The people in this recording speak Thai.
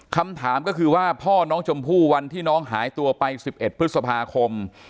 คำถามก็คือว่าพ่อน้องชมพู่วันที่น้องหายตัวไป๑๑พฤษภาคม